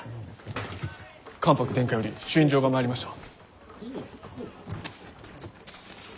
関白殿下より朱印状が参りました。